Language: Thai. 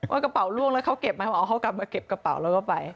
กระเป๋าล่วงแล้วเขาเก็บไหมหมอเขากลับมาเก็บกระเป๋าแล้วก็ไป